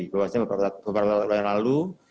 bapak ibu bapak ibu bapak ibu yang lalu